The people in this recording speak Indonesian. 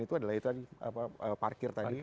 itu adalah itu tadi parkir tadi